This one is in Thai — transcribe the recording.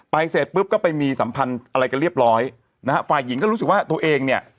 เสร็จปุ๊บก็ไปมีสัมพันธ์อะไรกันเรียบร้อยนะฮะฝ่ายหญิงก็รู้สึกว่าตัวเองเนี่ย